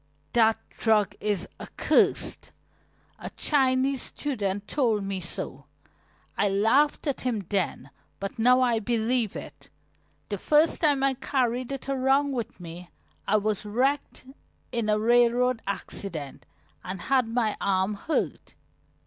"That drug is accursed a Chinese student told me so. I laughed at him then, but now I believe it. The first time I carried it around with me I was wrecked in a railroad accident and had my arm hurt.